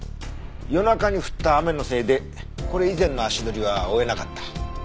夜中に降った雨のせいでこれ以前の足取りは追えなかった。